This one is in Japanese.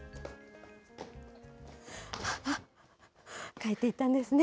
帰っていったんですね。